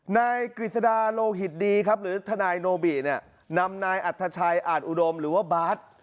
นายกฤษดาโลหิตดีหรือทนายโนบินำนายอัฐชัยอาทอุดมหรือว่าบาท